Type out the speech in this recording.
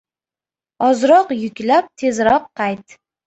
• Ozroq yuklab, tezroq qayt.